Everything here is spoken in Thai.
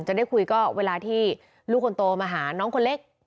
จะได้คุยก็เวลาที่ลูกคนโตมาหาน้องคนเล็ก